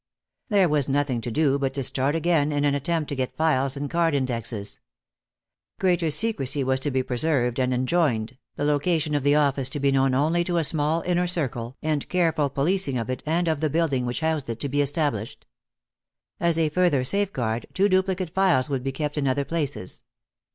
There was nothing to do but to start again in an attempt to get files and card indexes. Greater secrecy was to be preserved and enjoined, the location of the office to be known only to a small inner circle, and careful policing of it and of the building which housed it to be established. As a further safeguard, two duplicate files would be kept in other places.